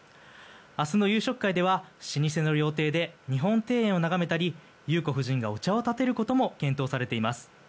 明日の夕食会では老舗の料亭で日本庭園を眺めたり裕子夫人がお茶をたてることも検討されています。